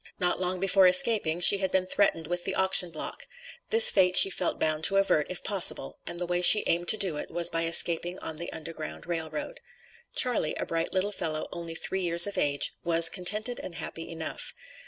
Not long before escaping, she had been threatened with the auction block; this fate she felt bound to avert, if possible, and the way she aimed to do it was by escaping on the Underground Rail Road. Charley, a bright little fellow only three years of age, was "contented and happy" enough.